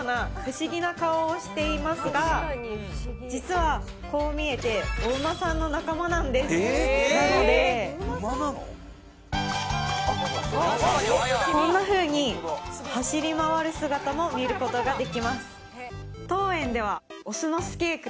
実はこう見えてお馬さんの仲間なんですなのでこんなふうに走り回る姿も見ることができます